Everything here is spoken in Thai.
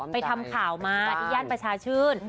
ไปทำข่าวมาที่ย่านประชาชื่น